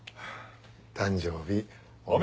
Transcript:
誕生日おめ。